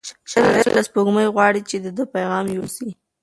شاعر له سپوږمۍ غواړي چې د ده پیغام یوسي.